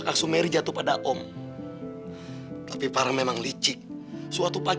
karena kita masih terus berharap